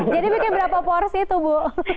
jadi mungkin berapa porsi itu bu